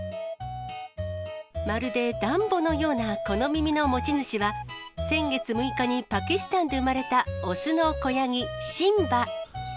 まるでダンボのようなこの耳の持ち主は、先月６日にパキスタンで生まれた雄の子ヤギ、シンバ。